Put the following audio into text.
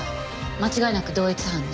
間違いなく同一犯ね。